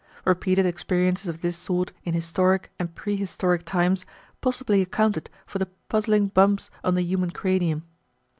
Repeated experiences of this sort in historic and prehistoric times possibly accounted for the puzzling bumps on the human cranium.